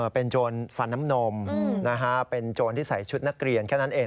เป็นโจรฟันน้ำนมเป็นโจรที่ใส่ชุดนักเรียนแค่นั้นเอง